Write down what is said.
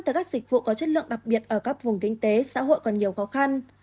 từ các dịch vụ có chất lượng đặc biệt ở các vùng kinh tế xã hội còn nhiều khó khăn